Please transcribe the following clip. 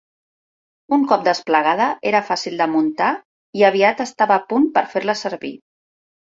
Un cop desplegada, era fàcil de muntar i aviat estava a punt per fer-la servir.